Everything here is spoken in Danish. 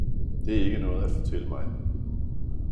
Det er ikke noget at fortælle mig!